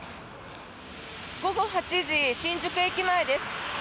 午後８時新宿駅前です。